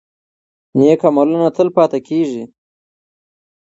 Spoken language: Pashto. نیک عملونه تل پاتې کیږي.